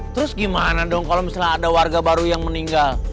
terus gimana dong kalau misalnya ada warga baru yang meninggal